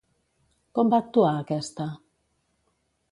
Com va actuar aquesta?